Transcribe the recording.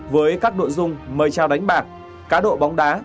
với các đội dung mời chào đánh bạc cá độ bóng đá